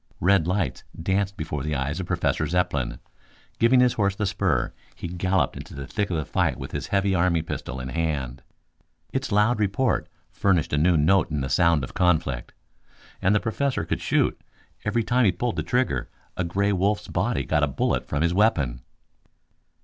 Red lights danced before the eyes of Professor Zepplin. Giving his horse the spur, he galloped into the thick of the fight with his heavy army pistol in hand. Its loud report furnished a new note in the sound of conflict. And the Professor could shoot. Every time he pulled the trigger a gray wolf's body got a bullet from his weapon.